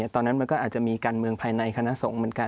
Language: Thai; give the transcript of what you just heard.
ตอนนั้นมันก็อาจจะมีการเมืองภายในคณะสงฆ์เหมือนกัน